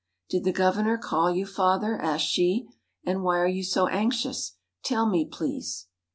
"Did the Governor call you, father?" asked she; "and why are you so anxious? Tell me, please."